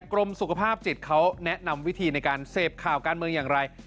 กรมสุขภาพจิตเขาแนะนำวิธีในการเสพข่าวการเมืองอย่างไร